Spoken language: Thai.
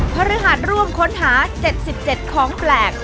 พระฤหัสร่วมค้นหา๗๗ของแปลก